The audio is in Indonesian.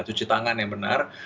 cuci tangan yang benar